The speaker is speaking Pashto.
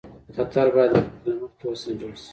خطر باید مخکې له مخکې سنجول شي.